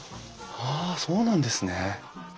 ああそうなんですね。